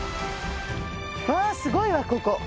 うわぁすごいわここ。